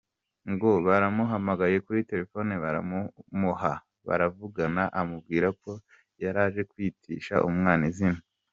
Ngo baramuhamagaye kuri telefoni baramumuha baravugana amubwira ko yari aje kwitisha umwana izina.